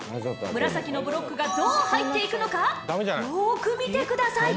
紫のブロックがどう入っていくのかよく見てください